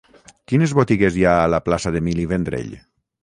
Quines botigues hi ha a la plaça d'Emili Vendrell?